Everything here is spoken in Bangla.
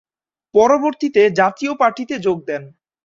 পরবর্তীতে জাতীয় পার্টিতে যোগ দেন।